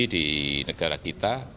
di negara kita